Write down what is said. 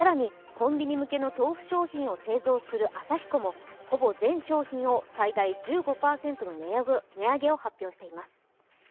更にコンビニ向けの豆腐商品を製造するアサヒコもほぼ全商品を最大１５％の値上げを発表しています。